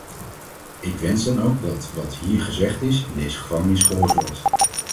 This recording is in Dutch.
Ik wens dan ook dat wat hier gezegd is, in deze gevangenis gehoord wordt.